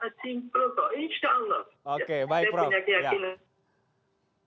kayaknya detrok detrok ternyata simpel